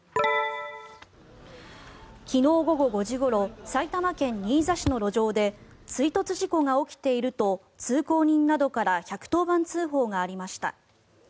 昨日午後５時ごろ埼玉県新座市の路上で追突事故が起きていると通行人などから１１０番通報がありました。